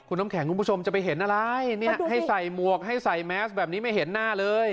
คุณน้ำแข็งคุณผู้ชมจะไปเห็นอะไรเนี่ยให้ใส่หมวกให้ใส่แมสแบบนี้ไม่เห็นหน้าเลย